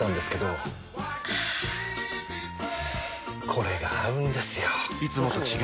これが合うんですよ！